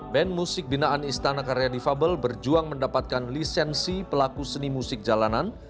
band musik binaan istana karya difabel berjuang mendapatkan lisensi pelaku seni musik jalanan